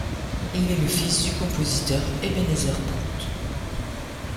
Il est le fils du compositeur Ebenezer Prout.